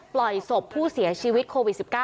ปล่อยศพผู้เสียชีวิตโควิด๑๙